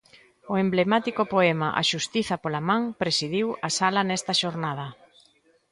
O emblemático poema "A xustiza pola man" presidiu a sala nesta xornada.